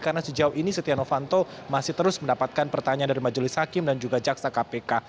karena sejauh ini setia novanto masih terus mendapatkan pertanyaan dari majulis hakim dan juga jaksa kpk